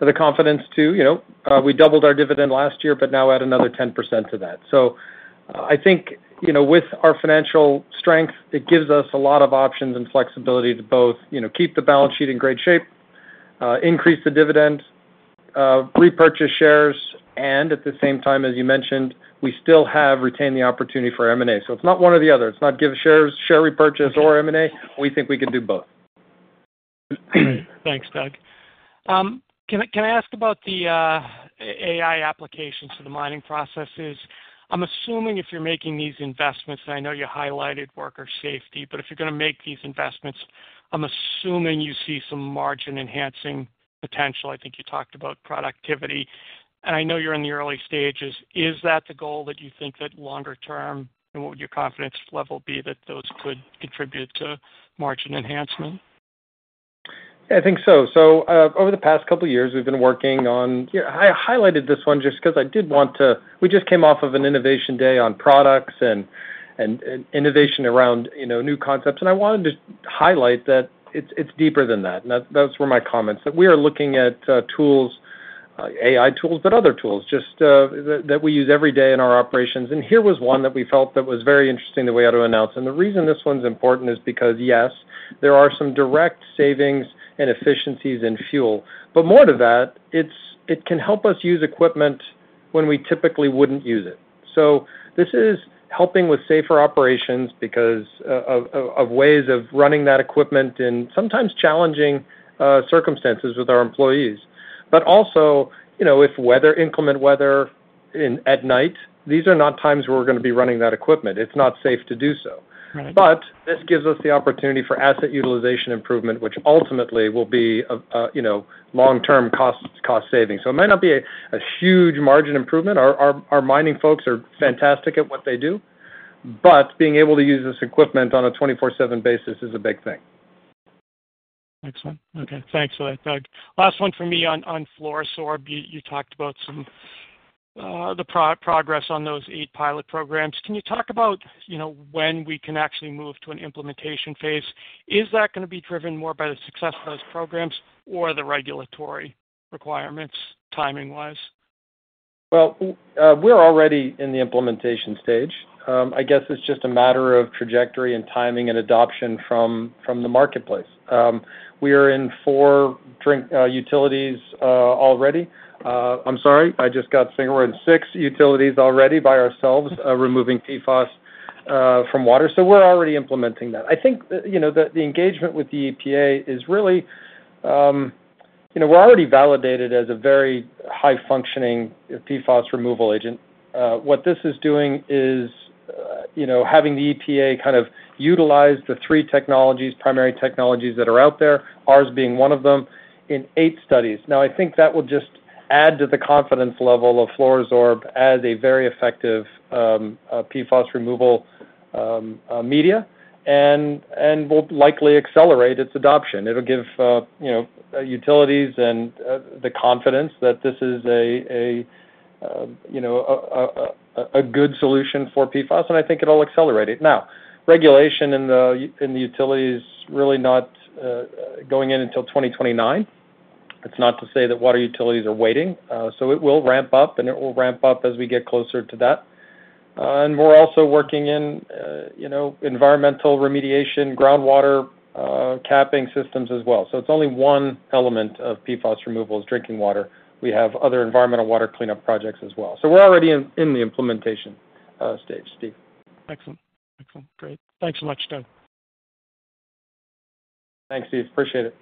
the confidence to, you know, we doubled our dividend last year, but now add another 10% to that. So I think, you know, with our financial strength, it gives us a lot of options and flexibility to both, you know, keep the balance sheet in great shape, increase the dividend, repurchase shares, and at the same time, as you mentioned, we still have retained the opportunity for M&A. So it's not one or the other. It's not give shares, share repurchase or M&A. We think we can do both. Thanks, Doug. Can I ask about the AI applications to the mining processes? I'm assuming if you're making these investments, and I know you highlighted worker safety, but if you're gonna make these investments, I'm assuming you see some margin-enhancing potential. I think you talked about productivity. I know you're in the early stages. Is that the goal that you think that longer term, and what would your confidence level be that those could contribute to margin enhancement? Yeah, I think so. So, over the past couple of years, we've been working on. Yeah, I highlighted this one just because I did want to. We just came off of an Innovation Day on products and innovation around, you know, new concepts, and I wanted to highlight that it's deeper than that. And that, those were my comments, that we are looking at tools, AI tools, but other tools, just that we use every day in our operations. And here was one that we felt that was very interesting that we had to announce. And the reason this one's important is because, yes, there are some direct savings and efficiencies in fuel, but more to that, it can help us use equipment when we typically wouldn't use it. This is helping with safer operations because of ways of running that equipment in sometimes challenging circumstances with our employees. But also, you know, if weather, inclement weather at night, these are not times where we're gonna be running that equipment. It's not safe to do so. Right. But this gives us the opportunity for asset utilization improvement, which ultimately will be a you know long-term cost saving. So it might not be a huge margin improvement. Our mining folks are fantastic at what they do, but being able to use this equipment on a 24/7 basis is a big thing. Excellent. Okay, thanks for that, Doug. Last one for me on Fluoro-Sorb. You talked about some the progress on those eight pilot programs. Can you talk about, you know, when we can actually move to an implementation phase? Is that gonna be driven more by the success of those programs or the regulatory requirements, timing-wise? We're already in the implementation stage. I guess it's just a matter of trajectory and timing and adoption from the marketplace. We are in four different utilities already. I'm sorry, I just said we're in six utilities already by ourselves, removing PFAS from water. So we're already implementing that. I think, you know, the engagement with the EPA is really, you know, we're already validated as a very high functioning PFAS removal agent. What this is doing is, you know, having the EPA kind of utilize the three primary technologies that are out there, ours being one of them, in eight studies. Now, I think that will just add to the confidence level of Fluoro-Sorb as a very effective PFAS removal media, and will likely accelerate its adoption. It'll give you know, utilities and the confidence that this is a good solution for PFAS, and I think it'll accelerate it. Now, regulation in the utility is really not going in until 2029. It's not to say that water utilities are waiting, so it will ramp up, and it will ramp up as we get closer to that. And we're also working in you know, environmental remediation, groundwater capping systems as well. So it's only one element of PFAS removal is drinking water. We have other environmental water cleanup projects as well. So we're already in the implementation stage, Steve. Excellent. Excellent. Great. Thanks so much, Doug. Thanks, Steve. Appreciate it.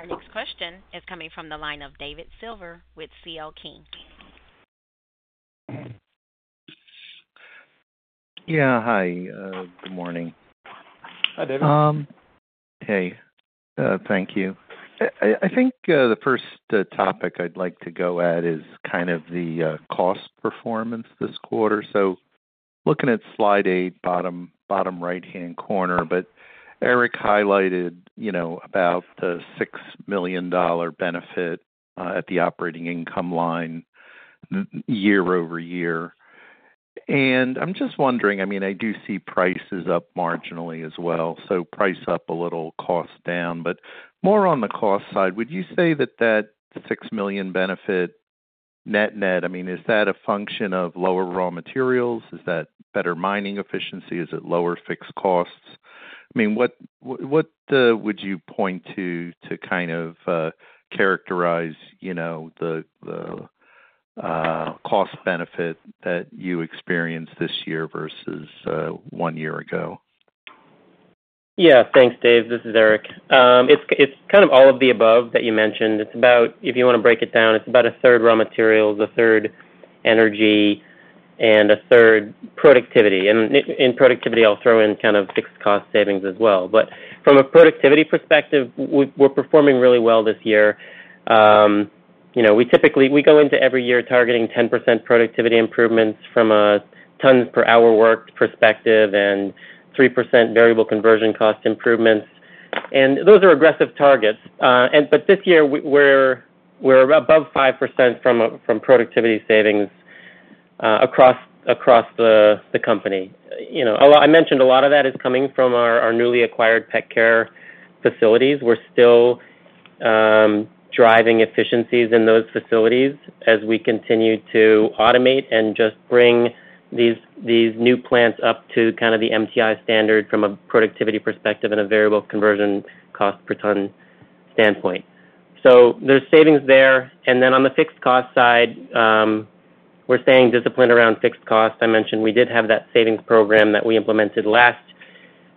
Our next question is coming from the line of David Silver with CL King. Yeah, hi. Good morning. Hi, David. Hey, thank you. I think the first topic I'd like to go at is kind of the cost performance this quarter. So looking at slide 8, bottom right-hand corner, but Erik highlighted, you know, about the $6 million benefit at the operating income line, year over year. And I'm just wondering, I mean, I do see prices up marginally as well, so price up a little, cost down. But more on the cost side, would you say that that $6 million benefit net-net, I mean, is that a function of lower raw materials? Is that better mining efficiency? Is it lower fixed costs? I mean, what would you point to, to kind of characterize, you know, the cost benefit that you experienced this year versus one year ago? Yeah. Thanks, Dave. This is Erik. It's kind of all of the above that you mentioned. It's about, if you wanna break it down, it's about a third raw materials, a third energy, and a third productivity. In productivity, I'll throw in kind of fixed cost savings as well. From a productivity perspective, we're performing really well this year. You know, we typically go into every year targeting 10% productivity improvements from a tons per hour worked perspective, and 3% variable conversion cost improvements. Those are aggressive targets. But this year, we're above 5% from a productivity savings across the company. You know, I mentioned a lot of that is coming from our newly acquired pet care facilities. We're still driving efficiencies in those facilities as we continue to automate and just bring these new plants up to kind of the MTI standard from a productivity perspective and a variable conversion cost per ton standpoint. So there's savings there, and then on the fixed cost side, we're staying disciplined around fixed costs. I mentioned we did have that savings program that we implemented last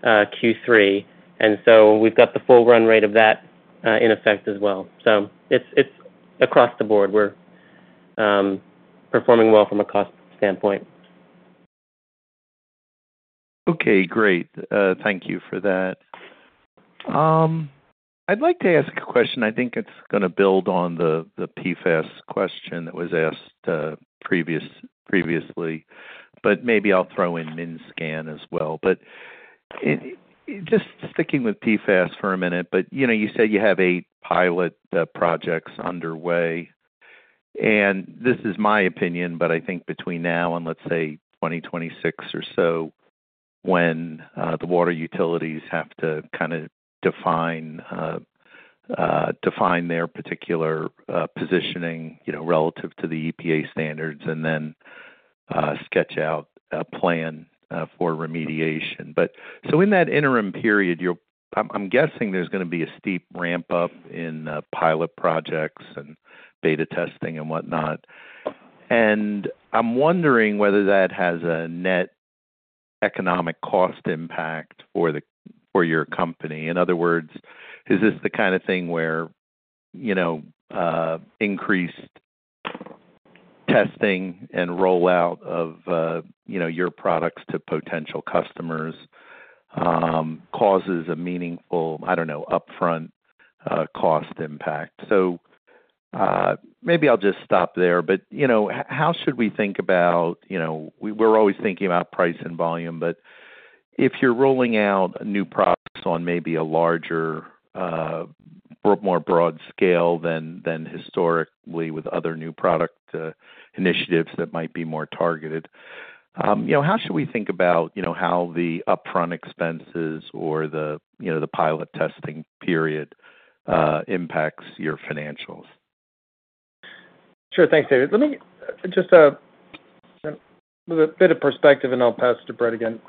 Q3, and so we've got the full run rate of that in effect as well. So it's across the board, we're performing well from a cost standpoint.... Okay, great. Thank you for that. I'd like to ask a question. I think it's gonna build on the PFAS question that was asked previously, but maybe I'll throw in MinScan as well. But just sticking with PFAS for a minute, but you know, you said you have eight pilot projects underway, and this is my opinion, but I think between now and let's say 2026 or so, when the water utilities have to kinda define their particular positioning, you know, relative to the EPA standards and then sketch out a plan for remediation, but so in that interim period, I'm guessing there's gonna be a steep ramp-up in pilot projects and beta testing and whatnot. And I'm wondering whether that has a net economic cost impact for your company. In other words, is this the kind of thing where, you know, increased testing and rollout of, you know, your products to potential customers causes a meaningful, I don't know, upfront cost impact? So, maybe I'll just stop there, but, you know, how should we think about... You know, we're always thinking about price and volume, but if you're rolling out new products on maybe a larger, more broad scale than historically with other new product initiatives that might be more targeted, you know, how should we think about, you know, how the upfront expenses or the, you know, the pilot testing period impacts your financials? Sure. Thanks, David. Let me just a bit of perspective, and I'll pass it to Brett again.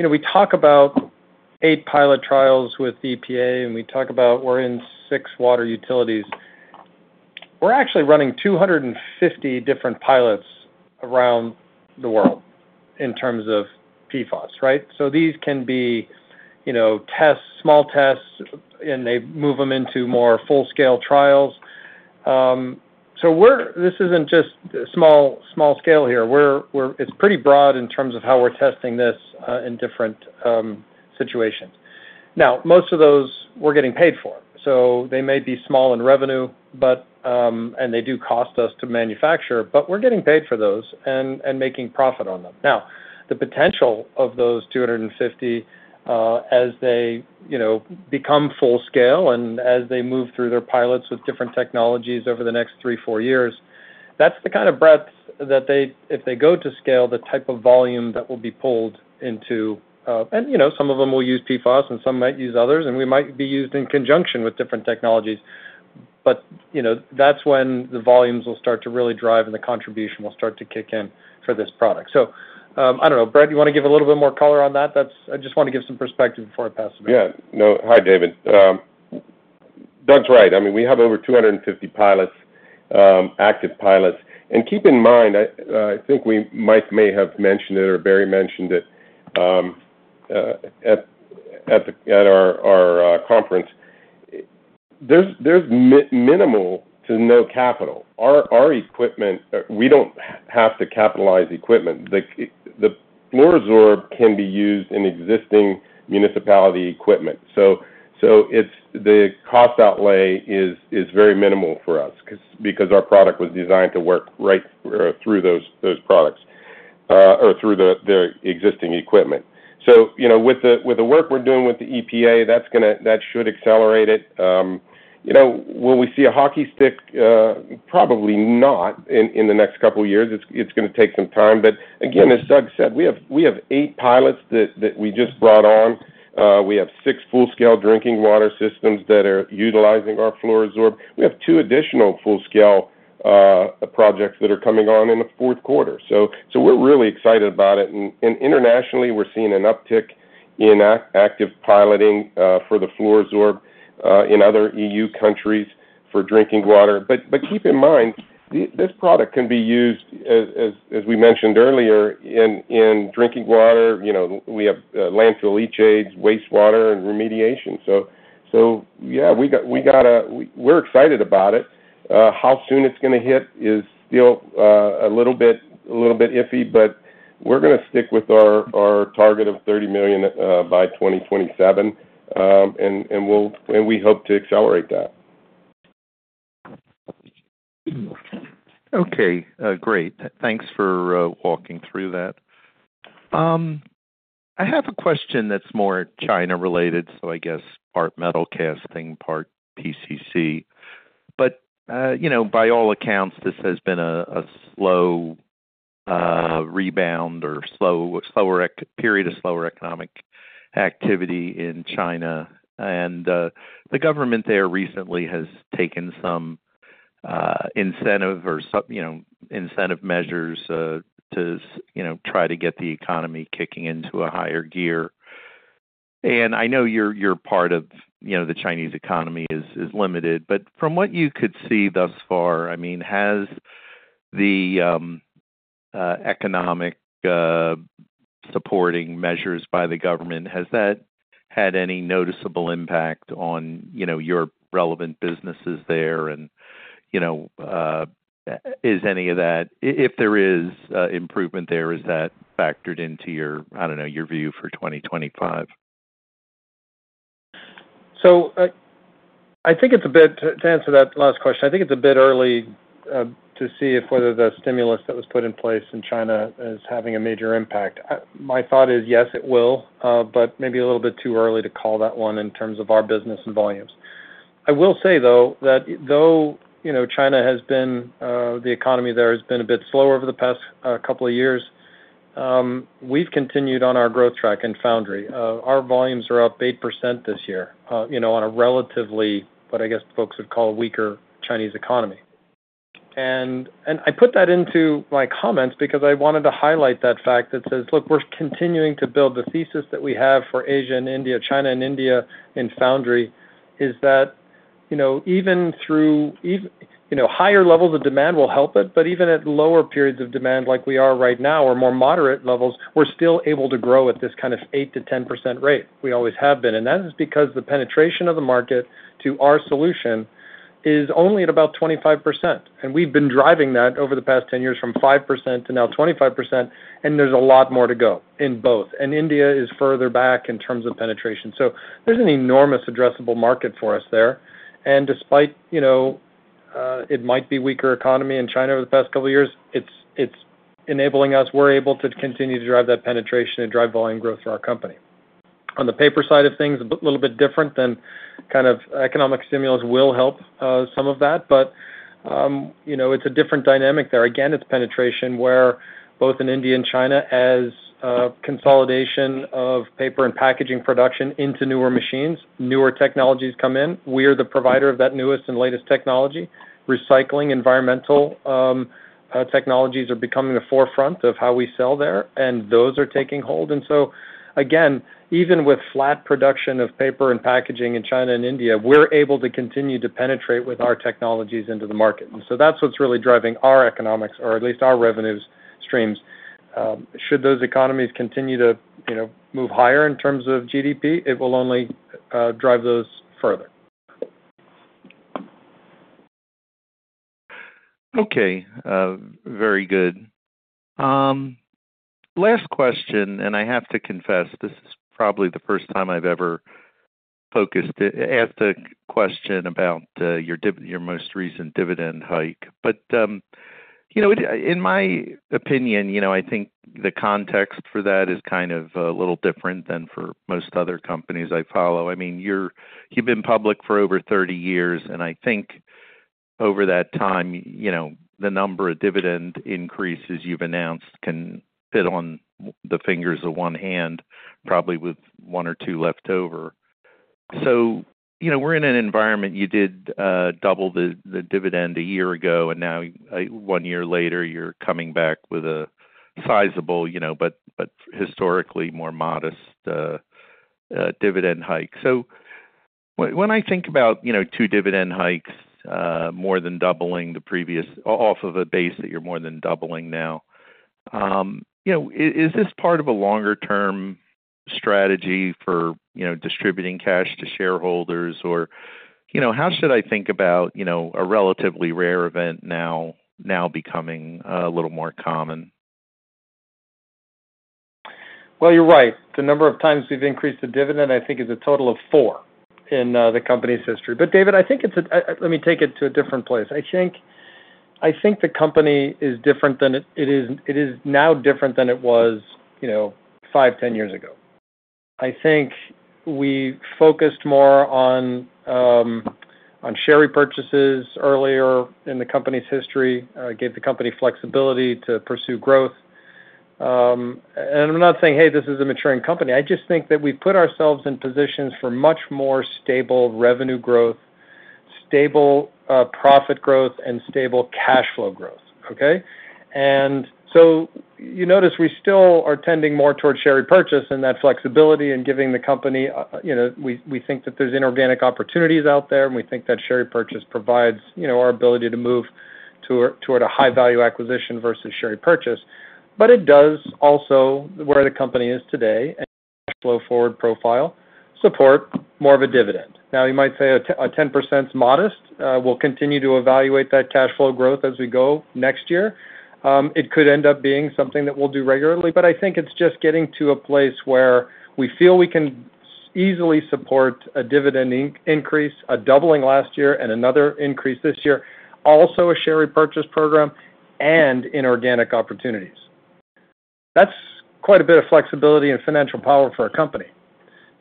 You know, we talk about eight pilot trials with the EPA, and we talk about we're in six water utilities. We're actually running 250 different pilots around the world in terms of PFAS, right? So these can be, you know, tests, small tests, and they move them into more full-scale trials. So this isn't just small scale here. It's pretty broad in terms of how we're testing this in different situations. Now, most of those we're getting paid for, so they may be small in revenue, but and they do cost us to manufacture, but we're getting paid for those and making profit on them. Now, the potential of those two hundred and fifty, as they, you know, become full scale and as they move through their pilots with different technologies over the next three, four years, that's the kind of breadth that they, if they go to scale, the type of volume that will be pulled into, and you know, some of them will use PFAS and some might use others, and we might be used in conjunction with different technologies. But, you know, that's when the volumes will start to really drive and the contribution will start to kick in for this product. So, I don't know. Brett, you want to give a little bit more color on that? That's. I just want to give some perspective before I pass it on. Yeah. No. Hi, David. Doug's right. I mean, we have over two hundred and fifty pilots, active pilots. And keep in mind, I think we might have mentioned it or Barry mentioned it, at our conference, there's minimal to no capital. Our equipment, we don't have to capitalize equipment. The Fluoro-Sorb can be used in existing municipal equipment, so it's the cost outlay is very minimal for us 'cause our product was designed to work right through those products or through the existing equipment. So, you know, with the work we're doing with the EPA, that's gonna that should accelerate it. You know, will we see a hockey stick? Probably not in the next couple of years. It's gonna take some time. But again, as Doug said, we have eight pilots that we just brought on. We have six full-scale drinking water systems that are utilizing our Fluoro-Sorb. We have two additional full-scale projects that are coming on in the fourth quarter. So we're really excited about it. And internationally, we're seeing an uptick in active piloting for the Fluoro-Sorb in other EU countries for drinking water. But keep in mind, this product can be used, as we mentioned earlier, in drinking water. You know, we have landfill leachates, wastewater, and remediation. So yeah, we got a-- we're excited about it. How soon it's gonna hit is still a little bit iffy, but we're gonna stick with our target of $30 million by 2027, and we hope to accelerate that. Okay. Great. Thanks for walking through that. I have a question that's more China-related, so I guess part metal casting, part PCC. But you know, by all accounts, this has been a slow rebound or slow, slower period of slower economic activity in China. And the government there recently has taken some incentive or some, you know, incentive measures to you know, try to get the economy kicking into a higher gear. And I know your part of you know, the Chinese economy is limited, but from what you could see thus far, I mean, has the economic supporting measures by the government, has that had any noticeable impact on you know, your relevant businesses there? You know, if there is improvement there, is that factored into your, I don't know, your view for 2025? So, I think it's a bit early to answer that last question. I think it's a bit early to see whether the stimulus that was put in place in China is having a major impact. My thought is, yes, it will, but maybe a little bit too early to call that one in terms of our business and volumes. I will say, though, that though, you know, China has been, the economy there has been a bit slower over the past couple of years, we've continued on our growth track in foundry. Our volumes are up 8% this year, you know, on a relatively, what I guess folks would call, a weaker Chinese economy. I put that into my comments because I wanted to highlight that fact that says, look, we're continuing to build the thesis that we have for Asia and India. China and India in foundry is that, you know, even through. You know, higher levels of demand will help it, but even at lower periods of demand, like we are right now, or more moderate levels, we're still able to grow at this kind of 8-10% rate. We always have been, and that is because the penetration of the market to our solution is only at about 25%, and we've been driving that over the past 10 years from 5% to now 25%, and there's a lot more to go in both. India is further back in terms of penetration, so there's an enormous addressable market for us there. And despite, you know, it might be weaker economy in China over the past couple of years, it's enabling us. We're able to continue to drive that penetration and drive volume growth for our company. On the paper side of things, a little bit different than kind of economic stimulus will help some of that, but, you know, it's a different dynamic there. Again, it's penetration, where both in India and China, as consolidation of Paper and Packaging production into newer machines, newer technologies come in. We are the provider of that newest and latest technology. Recycling, environmental technologies are becoming the forefront of how we sell there, and those are taking hold. And so again, even with flat production of Paper and Packaging in China and India, we're able to continue to penetrate with our technologies into the market. That's what's really driving our economics, or at least our revenue streams. Should those economies continue to, you know, move higher in terms of GDP, it will only drive those further. Okay. Very good. Last question, and I have to confess, this is probably the first time I've ever focused, asked a question about your most recent dividend hike. But, you know, in my opinion, you know, I think the context for that is kind of a little different than for most other companies I follow. I mean, you've been public for over thirty years, and I think over that time, you know, the number of dividend increases you've announced can fit on the fingers of one hand, probably with one or two left over. So, you know, we're in an environment, you did double the dividend a year ago, and now, one year later, you're coming back with a sizable, you know, but historically, more modest dividend hike. When I think about, you know, two dividend hikes, more than doubling the previous, off of a base that you're more than doubling now, you know, is this part of a longer term strategy for, you know, distributing cash to shareholders? Or, you know, how should I think about, you know, a relatively rare event now becoming a little more common? You're right. The number of times we've increased the dividend, I think, is a total of four in the company's history. But David, I think it's a. Let me take it to a different place. I think the company is different than it is now different than it was, you know, five, 10 years ago. I think we focused more on share repurchases earlier in the company's history, gave the company flexibility to pursue growth. And I'm not saying, "Hey, this is a maturing company." I just think that we put ourselves in positions for much more stable revenue growth, stable profit growth, and stable cash flow growth, okay? You notice we still are tending more towards share repurchase and that flexibility and giving the company, you know, we think that there's inorganic opportunities out there, and we think that share repurchase provides, you know, our ability to move toward a high-value acquisition versus share purchase. But it does also, where the company is today, free cash flow profile, support more of a dividend. Now, you might say a 10% is modest. We'll continue to evaluate that cash flow growth as we go next year. It could end up being something that we'll do regularly, but I think it's just getting to a place where we feel we can easily support a dividend increase, a doubling last year and another increase this year, also a share repurchase program and inorganic opportunities. That's quite a bit of flexibility and financial power for our company.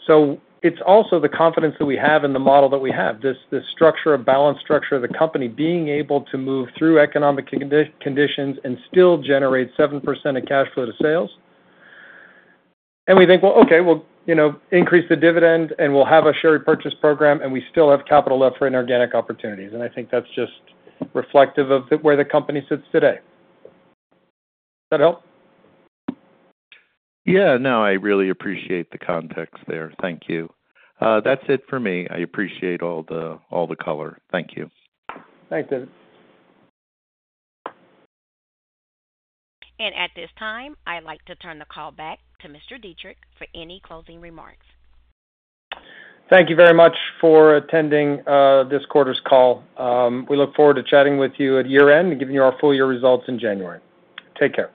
So it's also the confidence that we have in the model that we have, this structure, a balanced structure of the company, being able to move through economic conditions and still generate 7% of cash flow to sales. And we think, well, okay, we'll, you know, increase the dividend, and we'll have a share repurchase program, and we still have capital left for inorganic opportunities, and I think that's just reflective of the, where the company sits today. Does that help? Yeah, no, I really appreciate the context there. Thank you. That's it for me. I appreciate all the color. Thank you. Thanks, David. At this time, I'd like to turn the call back to Mr. Dietrich for any closing remarks. Thank you very much for attending this quarter's call. We look forward to chatting with you at year-end and giving you our full year results in January. Take care.